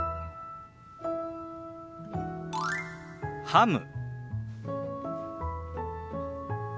「ハム」。